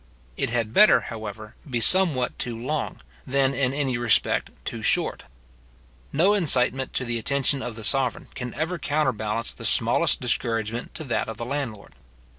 It had better, however, be somewhat too long, than in any respect too short. No incitement to the attention of the sovereign can ever counterbalance the smallest discouragement to that of the landlord.